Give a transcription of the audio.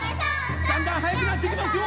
だんだんはやくなっていきますよ！